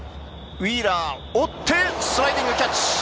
ウィーラーが追ってスライディングキャッチ。